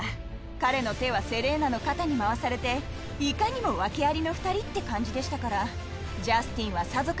彼の手はセレーナの肩に回されていかにも訳ありの２人って感じでしたから。